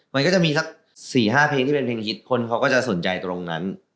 มันก็จะมีสัก๔๕เพลงที่เป็นเพลงฮิตคนเขาก็จะสนใจตรงนั้น